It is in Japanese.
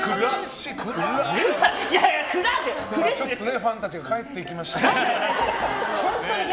ファンたちが帰っていきました。